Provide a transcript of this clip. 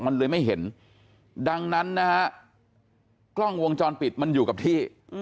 มันเลยไม่เห็นดังนั้นนะฮะกล้องวงจรปิดมันอยู่กับที่